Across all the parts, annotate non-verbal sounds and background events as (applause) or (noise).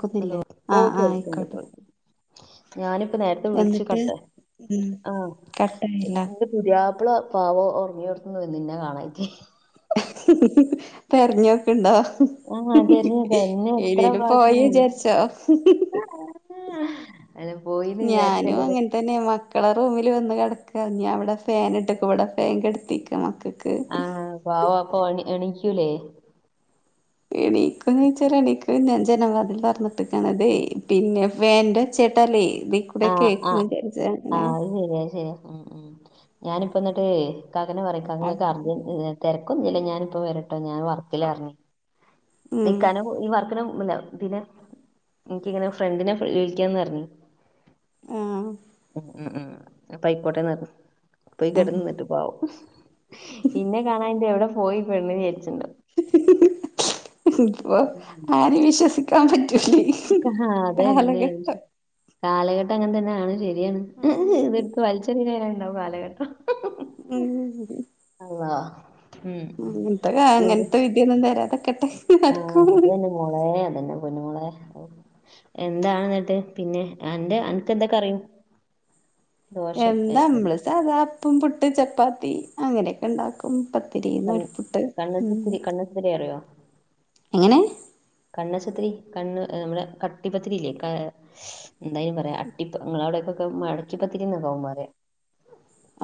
ക്കുന്നില്ലേ ആഹ് ഓഹ് ആഹ് കേൾക്ക്ണ്ട്, ആയിക്കോട്ടെ കേൾക്ക്ണ്ട് ഞാനിപ്പോ നേര വിളിച്ച് എന്നിട്ട് കട്ടേ ഉം ആഹ് കട്ടായില്ല (unintelligible) പുത്യാപ്ള പാവോ ഒർങ്ങ്യോട്ത്ത്ന്ന് വന്ന് ഇന്നെ കാണേയ്റ്റ്. തെരഞ്ഞോക്ക്ണ്ടോ? ആഹ് തെരഞ്ഞതാ എന്നെ എയ്ലേലും പോയീജാര്ച്ചോ? (unintelligible) (unintelligible) പോയി ഞാനു അങ്ങൻ (unintelligible) മക്കളെ റൂമില് വന്ന് കെട്ക്കാ. ഞാവടെ ഫാൻ ഇട്ടക്ക, ഇവടെ ഫാൻ കെട്ത്തീക്ക മക്ക് ആഹ് പാവപ്പൊ എണീ എണീയ്ക്കൂലേ? എണീക്കോന്ന് ചോയ്ച്ചാല് എണീക്കു ഞാൻ ജനവാതില് തൊർന്ന് ട്ടക്കാണ്. അതേ പിന്നെ ഫേന്റെ ചേട്ടാലേ (unintelligible) ആഹ് അഹ് ആഹ് അത് ശരിയാ അത് ശരിയാ ഉം ഉം. ഞാനിപ്പ ന്നിട്ടേ ക്കക്കേനെ പറയും ക്കാക്ക (unintelligible) തിരക്കൊന്നില്ല ഞാനിപ്പ വരട്ടോ ഞാൻ വർക്കിലാർന്നു ഉം നിക്കാനും ഈ വർക്കിനും പിന്നെ പിന്നെ എനിക്കിങ്ങനെ ഫ്രണ്ടിനെ വിളിക്കാന്ന് പറഞ്ഞു ആഹ് ഉം ഉം ഉം പൈക്കോട്ടെന്ന് പോയി ആഹ് കിടന്നിട്ടും പാവം. ഇന്നെ കാണാഞ്ഞ് എവിടെ പോയി പെണ്ണുന്ന് വിചാരിച്ചിണ്ട ഇപ്പൊ ആരേം വിശ്വസിക്കാൻ പറ്റൂല്ലേ കഹ അതന്നെ കാലഘട്ടം അങ്ങനെ തന്നെ ആണ് ശരിയാണ് ഉം ഇതെടുത്ത് വലിച്ച് (unintelligible) ഉണ്ടാവും കാലഘട്ടം ഉം ഉം അള്ളാ ഉം അങ്ങൻത്തരാ അങ്ങൻത്തെ വിധിയൊന്നും തരാതൊക്കട്ടെ ഓഹ് അതന്നെ മോളെ അതന്നെ പൊന്നുമോളെ എന്താണെന്നിട്ട് പിന്നെ അന്റെ അനക്ക് എന്തൊക്കറിയും എന്താ മ്മള് സാധാ അപ്പം പുട്ട് ചപ്പാത്തി അങ്ങനെയൊക്കെണ്ടാക്കും ഉം പത്തിരി ന്നൂൽപ്പുട്ട് ഉം ഇവരെ അറിയോ എങ്ങനെ കണ്ണശത്രി കണ്ണ് ഏഹ് മ്മളെ കട്ടിപ്പത്തിരി ഇല്ലേ കാ എന്തായിന് പറയാ അട്ടിപ്പ ങ്ങളെ അവിടേക്കൊക്കെ മടക്കിപ്പത്തിരിന്നോക്കാവും പറയാ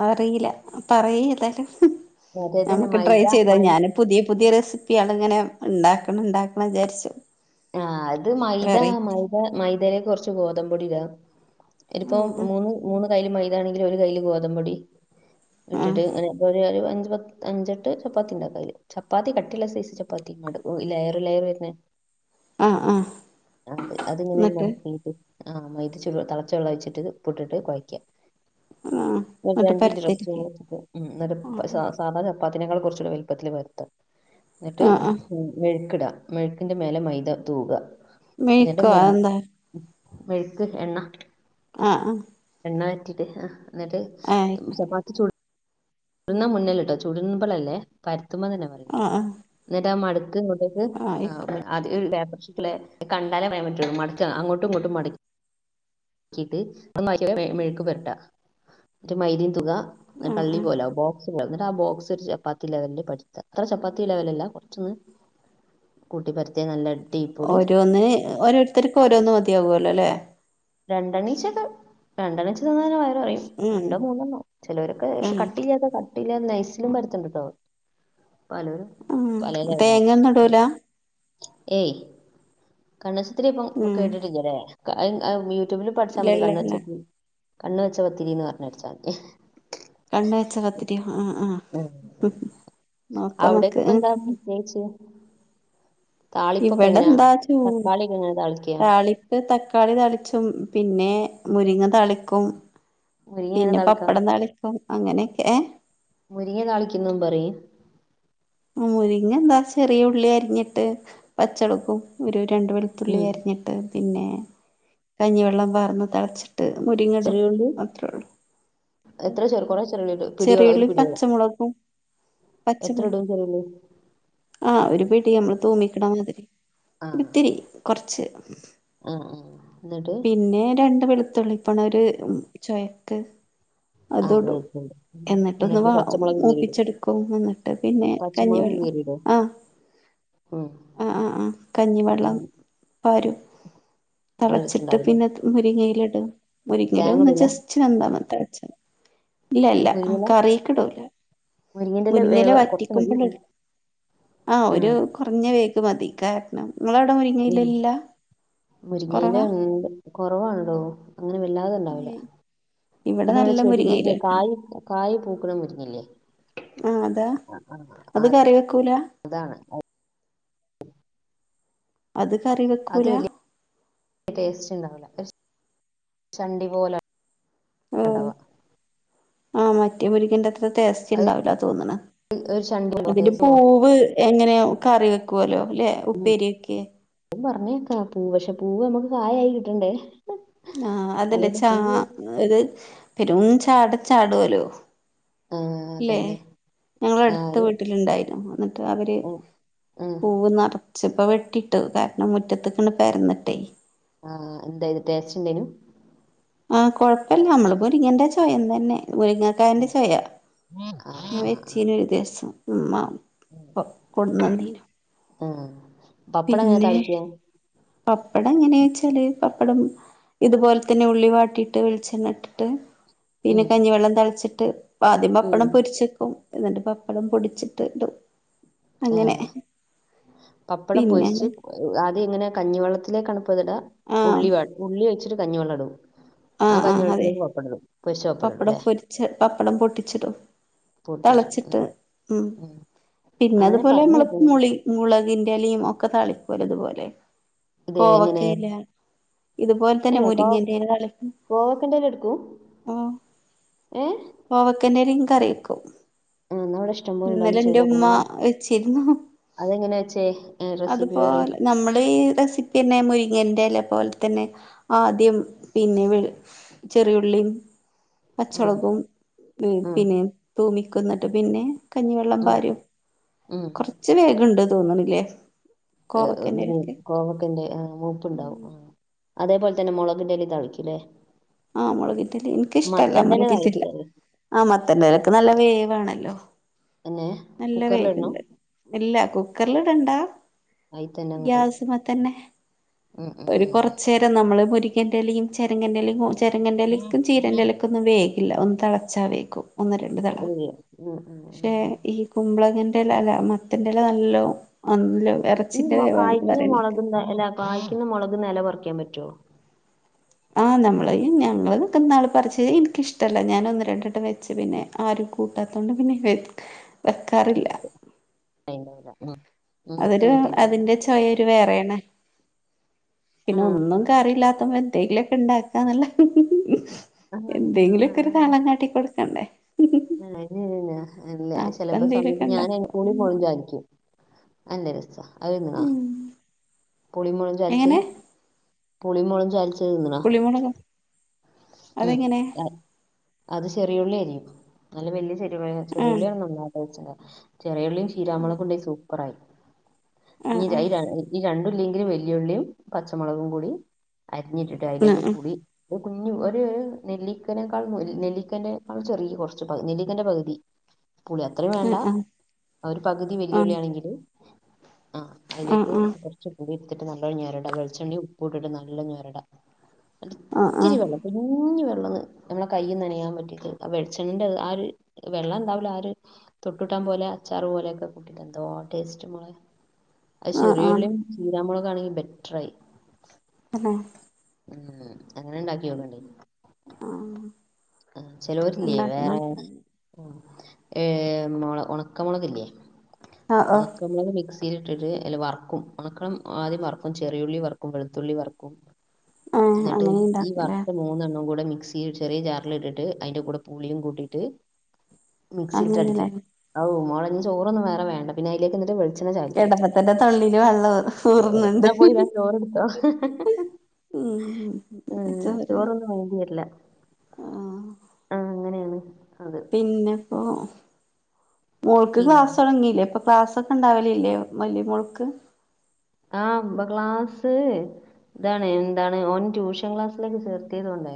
അറിയില്ല പറയ് ഏതാലും മറ്റേ തന്നെ നമുക്ക് ട്രൈ മൈദ ചെയ്താ മൈ ഞാനും പുതിയ പുതിയ റെസിപ്യാണ് ങ്ങനെ ണ്ടാക്കണം ണ്ടാക്കണം വിചാര്ച് ആഹ് അത് മൈദ മൈദ മൈതേലേക്ക് കൊർച്ച് ഗോതമ്പൊടി ട ഇര്പ്പം ആഹ് മൂന്ന് മൂന്ന് കൈയിൽ മൈതാണെങ്കില് ഒരു കൈല് ഗോതമ്പൊടി ആഹ് ഇട്ടിട്ട് ങ്ങനെ ഒര് അഞ്ച് പത് അഞ്ചെട്ട് ചപ്പാത്തി ണ്ടാക്ക ചപ്പാത്തി കട്ടിള്ള സൈസ് ചപ്പാത്തി ലയർ ലയർ വര്ന്നേ അഹ് ആഹ് അഹ് അത് അത്ങ്ങനെ എന്നിട്ട് മടക്കീട്ട് ആ മൈദ ചുട് തളച്ച വെള്ളോയ്ച്ചിട്ട് പുട്ടിട്ട് കൊയക്യ ആഹ് ന്നട്ട് ഒരഞ്ചിൻറ്റ് റസ്റ്റ്‌ പരത്തിരിക്കെ ഉം ന്നട് ആഹ് സാസ് സാധാ ചപ്പാത്തിനേക്കാളു കൊർച്ചൂടെ വൽപ്പത്തിൽ പര്ത്ത ന്നിട്ട് ആഹ് ഉം മെയ്ക്കിട മെയ്ക്കിന്റെ മേലെ മൈദ തൂക ന്നിട്ട് മെയ്ക്കോ അതെന്താ മെയ്ക്ക് എണ്ണ അഹ് ആഹ് എണ്ണ പെര്റ്റിട്ട് അഹ് ന്നിട്ട് ആഹ് ആയിക്കോട്ടെ ചപ്പാത്തി ചു ന്ന മുന്നില്ടാ ചുടുമ്പളല്ലേ പര്ത്തുമ്പ തന്നെ പരി ആഹ് ആഹ് ന്നിട്ടാ മട്ക്ക്ങ്ങോ ആഹ് ആയിക്കോ (unintelligible) കണ്ടാലേ പറയാൻ പറ്റുള്ളൂ മട്ക്ക് അങ്ങോട്ടും ങ്ങോട്ടും മട് ക്കിട്ട് മെയ് മെയ്ക്ക് പോര്ട്ട ന്നിട്ട് മൈദീ തുക ആഹ് കള്ളി ആഹ് പോലാവു ബോക്സ് ന്നിട്ടാ ബോക്സൊര് ചപ്പാത്തി ലെവല് പര്ത്ത ത്ര ചപ്പാത്തി ലെവലല്ല കൊറച്ചൊന്ന് കൂട്ടിപ്പര്ത്യ നല്ലട് ഓരോന്ന് ഓരോരുത്തർക് ഓരോന്ന് മതിയാകുല്ലോ ല്ലേ രണ്ടെണീച്ചൊക്കെ രണ്ടണീച്ച തിന്നാന്നെ വയ (unintelligible) ഉം ണ്ടോ മൂന്നെണ്ണോ ചിലോരൊക്കെ ഷെ ഉം കട്ട്ല്ലാതെ കട്ട്ല്ലാതെ നൈസ്ലും പര്ത്ണ്ട്ട്ടോ ഉം ലെവലിലാണ് തേങ്ങോന്നും ടൂല ഏയ് കണ്ണസ്ത്തിരിപ്പോ ഉം കേട്ട്ട്ടില്ലല്ലേ (unintelligible) ടൂബിൽ പട്ച്ചാ ഇല്ല മതി ഇല്ല കണ് ഇല്ല വെച്ചത്രി കണ് വെച്ച പത്തിരി ന്ന് പറഞ്ഞടച്ചാതി കണ് വെച്ച പത്തിറ്യോ ആഹ് ആഹ് ഉം. നോക്കമ്മക്ക്‌ കേ ചേ ഇവിടെ ന്താ ചൂ തക്കാളി ഒക്കെ എങ്ങനെ താളിക്കുക താളി പ്പ് തക്കാളി തളിച്ചും പിന്നെ മുരിങ്ങ തളിക്കും മുരിങ്ങ എങ്ങനെ പിന്നെ താളിക്കാ പപ്പടം താളിക്കും അങ്ങനൊക്കെ ഏഹ് മുരിങ്ങെ താളിക്കുന്നും പറി മുരിങ്ങ എന്താ ചെറിയ ഉള്ളി അര്ഞ്ഞിട്ട് പചൊളു ഉപ്പും ഒരു രണ്ടു വെള് ത്തുള്ളി ഉം അരിഞ്ഞിട്ട് പിന്നെ കഞ്ഞിവെള്ളം പാർന്ന് തള്ച് ട്ട് മുരിങ്ങടും ചെറിയുള്ളി അത്രേ ള്ളൂ എത്ര ചെർ കൊറേ ചെറുള്ളിടൊ പിടിയോളാ ചെറിയുള്ളി ഒരു പിടിയോളോ പച്ചമുളകും എത്രടും ചെറുള്ളി ആ ഒരു പിടി അമ്മള് തൂമിക്ക്ണ ആഹ് ഒത്തിരി കൊർച്ച് ആഹ് ആഹ് എന്നിട്ട് പിന്നെ രണ്ട് വെളുത്തുള്ളി പ്പണൊര് ചൊയക്ക് ആഹ് അത്ടും വെളുത്തുള്ളി എന്നിട്ടൊന്ന് എന്നിട്ട് വ പച്ചമുളക് കീറിടും മൂപ്പിച്ചെടുക്കും ന്നിട്ട് പിന്നെ പച്ചമുളക് കഞ്ഞിവെള്ളം കീറിടോ ആ ഉം ആ ആ ആ കഞ്ഞിവെള്ളം ഉം പാരും നല്ല തളച്ചിട്ട് രസണ്ടാവൂലേ പിന്നെ മുരിങ്ങയില ട മുരിങ്ങയില തേങ്ങ ഒന്ന് ഇടൂല ജസ്റ്റ് വെന്ത മതി തെള്ച് ഇല്ലല്ല മുരിങ്ങയില കറിക്ടൂല മുരിങ്ങന്റെല മുര്ങ്ങല വേവ വറ്റി കൊറച്ച് മതി (unintelligible) ആ ഒരു ആഹ് കുറഞ്ഞ പേക്ക് മതി കാ ങ്ങളവിട മുരിങ്ങയില ഉം ഇല്ല മുരിങ്ങയില കുറവാ ണ്ട് കുറവാണടൊ അങ്ങനെ വല്ലാത ണ്ടാഊല ഇവിടെ പിന്നെ വിടെ നല്ല ചെടി മുരിങ്ങെ മുരിങ്ങയിലൊക്കെ ഉണ്ട് കായി കായി പൂക്കണ മുരിങ്ങയില്ലേ ആ അതാ അത് കറി വെക്കൂല അതാണ് അത് കറി അത് വെക്കൂല വലിയ ടേസ്റ്റ് ഉണ്ടാവൂല. ചണ്ടി പോലെ ഓ ഉണ്ടാവ ആഹ് മറ്റേ മുരിക്കിന്റെ അത്ര ടേസ്റ്റ് അത് ഉണ്ടാവില്ലാന്നാ തോന്നണെ ഒരു ചണ്ടി അതിന്റെ പൂവ് എങ്ങനെയ കറി വെക്കുവല്ലോ അല്ലെ? ഉപ്പേരിയൊക്കെ? പറഞ്ഞുകേക്കാം പൂവ് പക്ഷെ പൂവ് നമുക്ക് കായായി കിട്ടണ്ടേ? ആഹ് അതല്ല അതുകൊണ്ട് ചാ പൂവ് അത് പെരും ചാട ചാടുല്ലോ? ആ ഇല്ലേ അതന്നെ ഞങ്ങളെ ആ അടുത്ത ഒരു വീട്ടിലുണ്ടായിരുന്നു. എന്നിട്ട് അവര് ഉം പൂവ് നിറച്ചപ്പ വെട്ടിട്ട് കാരണം മുറ്റത്ത് നിക്കണ പ്പരന്നിട്ടേ! ആഹ് എന്തായത് ടേസ്റ്റ്ന്തനും? ആഹ് കുഴപ്പില്ല നമ്മള് മുരിങ്ങന്റെ ചുവയം തന്നെ മുരിങ്ങ ക്കന്റെ ആ ചുവയാ ആ ഞാൻ വെച്ചീന ഒരു ദിവസം ഉമ്മാ (unintelligible) ഉം പപ്പടം എങ്ങനെ പിന്നെ താളിക്ക പപ്പടം എങ്ങനെയച്ചാല് പപ്പടം ഇതുപോലെ തന്നെ ഉള്ളി വാട്ടിയിട്ട് വെളിച്ചെണ്ണ ഇട്ടിട്ട് പിന്നെ ഉം കഞ്ഞിവെള്ളം തളിച്ചിട്ട് ആദ്യം ഉം പപ്പട പൊരിച്ചെക്കും എന്നിട്ട് പപ്പടം പൊടിച്ചിട്ട് ഇടും. ആ അങ്ങനെ പപ്പടം പിന്നെ പൊരിച്ച് ആദ്യം ഇങ്ങനെ കഞ്ഞിവെള്ളത്തിലേക്ക് ആണുപ്പ്തിടാ ആഹ് ഉള്ളി വാടി ഉള്ളി വെച്ചിട്ട് കഞ്ഞി വെള്ളമിടും ആഹ് ആഹ് അതെ പൊരിച്ച ഇടും പപ്പടം ല്ലേ പൊരിച്ചു പപ്പടം പൊട്ടിച്ചിടും പൊട്ടിച്ചു തിളച്ചിട്ട് ഉം പിന്നെ അങ്ങനെ അതുപോലെ പറഞ്ഞു കേട്ട്ണ് മുളക്പുളി മുളകിന്റെ ഇലയും ഒക്കെ താളിക്കുമ്പോലെ അതുപോലെ ഇത് എങ്ങനെ കോവക്കയില ഇതുപോലെ തന്നെ മുരിങ്ങൻന്റെ താള കോവക്കന്റെ എല എടുക്കും ഏ? കോവക്കന്റെ ഇലയും കറിയക്കും ആ എന്നാ ഇവിടെ ഇഷ്ടം പോലെ ഉണ്ടാവും ഇന്നലെ ചെയ്ത് നോക്കണം എന്റെുമ്മ നാ വച്ചിരുന്നു അതെങ്ങനെ വെച്ചേ റെസിപ്പി അതിപ്പോ പറയ് നമ്മള് ഈ റെസി പിന്നെ മുരിങ്ങൻന്റെ ഇല പോലെ തന്നെ പോലെ തന്നെ ആദ്യം പിന്നെ വെളി ചെറിയുള്ളി ആ പച്ചമുളകും ആ പിന്നെ തൂമിക്കുന്നിട്ട് പിന്നെ കഞ്ഞിവെള്ളം ആ പാരും ഉം കൊറച്ച് വേകുണ്ട് തോന്നണില്ലേ കോവക്കന്റെ ഇലക്ക് (unintelligible) കോവക്കന്റെ ആ ഉം മൂപ്പുണ്ടാവും. അതേപോലെ തന്നെ മുളകിന്റെല തളിക്കൂല്ലേ ആഹ് മുളകിൻ്റില എനിക്കിഷ്ടമല്ല മുളകിൻ്റില്ല താളിക്കാറിയോ ആഹ്! മത്തൻ്റിലയ്ക്ക് നല്ല വേവാണല്ലോ പിന്നെ നല്ല കുക്കറിലിടണം വേകുണ്ട്. ഇല്ല കുക്കറൽ ഇട ണ്ടാ. കയ്യിൽ തന്നെ അങ്ങോട്ട്! തന്നെ ഉം ഉം ഉം കുറച്ച് നേരം നമ്മള് മുരിക്കൻ്റെലയും ചെരങ്ങൻ്റെലയും ചരങ്ങൻറലക്കും ചീരൻ്റെലൊക്കൊ ഒന്ന് വേഗും. ഇല്ല ഒന്ന് തിളച്ചാ വേകു ഒന്ന് രണ്ട് തിള ശരി ഉം ഉം പക്ഷേ? ഉം ഈ കുമ്പളങ്ങിൻ്റില അല്ല മത്തൻ്റില നല്ലോ ന്നല്ല ഇറച്ചിൻ്റെ വേവാണെന്ന് പറയണൊക്കെ ഇല്ല ഇല്ല കായ്ക്കുന്ന മുളകിൻ്റില പറിയ്ക്കാൻ പറ്റുവോ? ആഹ് നമ്മളയും ഞങ്ങള്ക്ക നാള് പറിച്ച് എനിക്കിഷ്ടമല്ല ഞൻ ഒന്ന് രണ്ടിട്ടം വെച്ച് പിന്നെ! ആരും കൂട്ടാത്തൊണ്ട് പിന്നെ വെക്കാറില്ല. (unintelligible) തൈര് വേറെയാണെ ആ പിന്നെ ഒന്നും കറിയില്ലാത്തപ്പ എന്തെങ്കിലൊക്കെ ഇണ്ടാക്കാന്നല്ല. ആ എന്തെങ്കിലും ഒക്കെ ഒരു അതന്നെ കളം കാട്ടി കൊടുക്കണ്ടേ ആനന്നെ അല്ല അപ്പൊ ചിലപ്പോ എന്തേലുമൊക്കെ സമയത്ത് ഞാൻ എനിക്കു ഉണ്ടാക്കും സ്കൂളിൽ പോണമെന്നു വിചാരിക്കും. അല്ലേ രസ അന്നണാ ഉം പുളിമളും ചാലിച്ച് എങ്ങനെ പുളിമളും ചാലിച്ച് തന്ന (unintelligible) ഉം അതെങ്ങനെ അത് ചെറിയുള്ള ആരിക്കരിക്കും നല്ല വല്യ ചെ ചെ ആഹ് ചെറിയുള്ളിയാണ് നന്ന ചെറിയുള്ളിയും ചീരാമുളകു ഉണ്ടെ സൂപ്പർ ആയി ആഹ് ഇ ആഹ് ഈ രണ്ടുള്ളെങ്കിലും വലിയുള്ളിയും പച്ചമുളകും കൂടി അരിഞ്ഞിട്ടുണ്ട് ലേക്ക് ആഹ് ടി കുഞ്ഞ ഒരു നെല്ലിക്കനേക്കാൾ നെല്ലിക്കന്റെക്കാൾ ചെറിയ കുറച്ച് നെല്ലിക്കന്റെ പകുതി പുളി അത്രയും വേണ്ട ആഹ് ആ ഒരു പകുതി ആഹ് ആഹ് വെല്ലുവിളിയ ആണെങ്കില് ആഹ് ആഹ് അതിലേക്ക് ആഹ് എടുത്തിട്ട് നല്ലൊരു ഞെരടാ വെളിച്ചെണ്ണി ഉപ്പ ഇട്ടിട്ട് നല്ല ഞരടാ അല്ല ഇത്തിരി ആഹ് വെള്ളം കുഞ്ഞ് വെള്ളന്ന് നമ്മളെ കൈയ്യ് നനയാൻ പറ്റീത് ആ വെളിച്ചെണന്റെ ആ ഒരു വെള്ളം എണ്ടാവുല അ ഒര് തൊട്ടുട്ടം പോലെ അച്ചാറു പോലെയൊക്കെ കുട്ടിട്ട് എന്ത ടേസ്റ്റ് മോളെ അ ചെറിയുള്ളിയും ചീരാമുളക ആണെങ്കി ബെറ്ററായി പിന്നെ ഉം അങ്ങനെ ഉണ്ടാക്കിയോക്കണ്ടി ആഹ് ആഹ് ചെലരില്ലേ ഉണ്ടാക്കി വേറെ നോക്കണം ഏ മു ഉണക്കമുളക് ലേ ആഹ് ഓഹ് ഉണക്കമുളക് മിക്സ് തീരി ഇട്ടിട്ട് അ വറക്കും ഉറക്കണം ആദ്യം വറക്കും ചെറിയുള്ളി വറക്കും വെളുത്തുള്ളി വറക്കും ആഹ് എന്നിട്ട് അങ്ങനെ ഈ ഉണ്ടാക്കലേ വർഷ മൂന്നെണ്ണം കൂടെ മിക്സി ചെറിയ ചാർ ഇട്ട് അതിന്റെ കൂടെ പുളിയും കൂട്ടിട്ട് അങ്ങനെല്ലേ മിക്സിൽട്ടടിക്കും ഔ മോള ചോറൊന്നും വേ വേണ്ട പിന്ന അതിേ എന്നിട്ട്ളിച്ച എടപ്പത്തിന്റെ തള്ളിയില് വെള്ളം ഊർന്നുണ്ട് എന്നാ പോയി ഞാൻ ചോറെടുത്തോ ഉം ഉം, ചോറൊന്നും വേണ്ടില്ല ആഹ് ആഹ് അങ്ങനെണ് പിന്നെപ്പോ മുക്ക് പിന്നെ ക്ലാസ് തുടങ്ങിയില്ലേ അപ്പൊ ക്ലാസ് ഒക്കെണ്ടാവലല്ലേ വലിയ മോൾക്ക് ആഹ് അമ്പ ഗ്ലാസ് ഇതാണ് എന്താണ് ഓൻ ട്യൂഷൻ ക്ലാസ്സിലേക്ക് ചേർത്തിയതു കൊണ്ടേ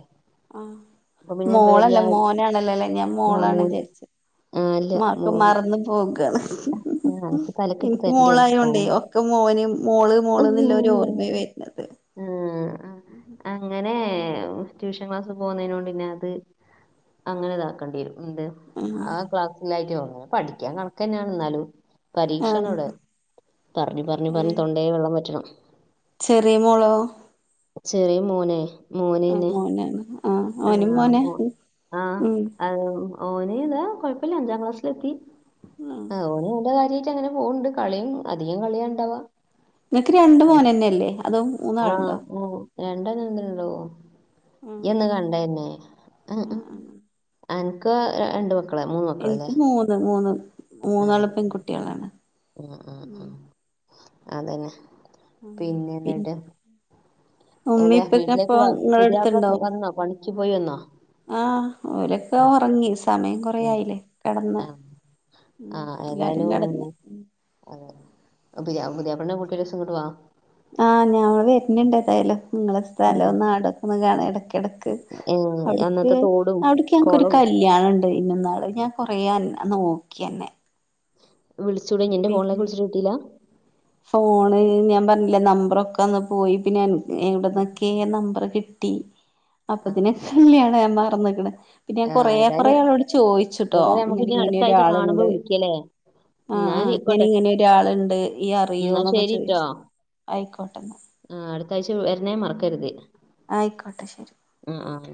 ആഹ് മോളല്ലേ മോനാണല്ലോ അല്ലേ ഞാൻ മോളാണ് വിചാരിച്ച് ആഹ് അല്ല മോ മോക്കാണ് എനിക്ക് തരണ്ടേ എനിക്ക് മോളായോണ്ടേ ഒക്കെ മോന് മോള് മോള്ന്നില്ല ഒരു ഓർമ്മ കാണുമ്പോ വരുന്നത് ആഹ് ഉം അങ്ങനെ ട്യൂഷൻ ക്ലാസ്സ് പോകുന്നതിനൊണ്ട്ന്നെ അത് അങ്ങനെ ഇതാക്കേണ്ടി വരും എന്ത് ആഹ് ക്ലാസ്സിലായിട്ട് പോന്ന പഠിക്കാൻ കണക്ക തന്നെയാണ് എന്നാലും ആഹ് പരീക്ഷണോവിടെ പറഞ്ഞു പറഞ്ഞു പറഞ്ഞ് ആഹ് തൊണ്ടേ വെള്ളം വറ്റണം ചെറിയ മോളോ ചെറിയ മോന് ആ മോനീന്ന് മോനാണ് ആഹ് ഓനും ആഹ് മോനാ മോ ആഹ് ഉം ആഹ് ഓനീ ഇതാ കുഴപ്പമില്ല അഞ്ചാം ക്ലാസ്സില എത്തി ആഹ് ഓന്ന നല്ല കാര്യമായിട്ട് അങ്ങനെ പോകുന്നുണ്ട് കളിയും അധികം കളിയാണ്ടാവാ നിക്ക് രണ്ട് മോൻ തന്നെയല്ലേ അതും ആഹ് ആഹ് രണ്ടാന്ന എന്തണ്ടോ ആഹ് ഇയ് അന്ന് കണ്ടന്നെ ആഹ് ഉം എനക്ക് രണ്ട മക്ക എനിക്ക് മൂന്ന് മൂന്ന് മൂന്നളു പെൺകുട്ടികൾ ആണ് ഉം ഉം ഉം അതന്നെ പിന്നെ എന്നിട്ട് ഉമ്മി അല്ലെ ഇപ്പൊക്കെ വീട്ടിലേക്ക് ഇപ്പൊ വ നിങ്ങളെ പുതിയാപ്ല അടുത്തുണ്ടോ വന്നോ പണിക്ക് പോയി വന്നോ ആഹ് അവരൊക്കെ ഉം ഒറങ്ങി സു സമയം ഉം കൊറേയായില്ലേ കെടന്ന് ആ ആ ഉം എല്ലാരും കെടന്ന് ഏതായാലും ഉം അതെ പുതിയാ പുതിയാപ്ല്നേം കൂട്ടി ഒരൂസം ഇങ്ങോട്ട് വാ ആഹ് ഞാൻ വര്ണുണ്ട് എന്തായാലും നിങ്ങളെ ഉം സ്ഥലൊന്ന് അവിടക്ക ഒന്ന് കാണ എടക്ക് എടക്ക് ഏ അവിട്ക്ക് അന്നത്തെ തോടും അവിട്ക്ക് ഞങ്ങക്കൊരു കുളവും കല്യാണം ഉ ട്രെയിനന്നാള് ഞാൻ കൊറയാൻ നോക്കി അന്നെ വിളിച്ചൂടേഞ്ഞ് എന്റെ ഫോണിലേക്ക് വിളിച്ചിട്ട് കിട്ടീലാ ഫോണ് ഞാൻ പറഞ്ഞില്ലേ നമ്പറൊക്കെ അന്ന് പോയി പിന്നെ എൻ ഉം. എവിട്ന്നൊക്കേ നമ്പറ് കിട്ടി ആ അപ്പത്തിന് കള്ളിയാണ് ഞാൻ മാറന്ന്ക്ക്ണ് പിന്നെ ആ കൊറേ കൊറേ ഏതായാലും ആളോട് ചോയിച്ച്ട്ടോ ഏതായാലും നമുക്ക് ഇങ്ങനെ ഇനി അടുത്ത ആഴ്ച കാണുമ്പോ ഇങ്ങനെയൊരാളുണ്ട് വിളിക്കല്ലേ ആഹ് എന്നാ ആഹ് ഇങ്ങനെ ആയിക്കോട്ടെ ഇങ്ങനെ ഒരാളുണ്ട് ഇയ് എന്നാ അറിയോന്നൊക്കെ ചോയിച്ചു ആയിക്കോട്ടെന്ന ആഹ് അടുത്ത ആഴ്ച വരനേ മറക്കരുത് ആയിക്കോട്ടെ ശെരി ഉം ആഹ്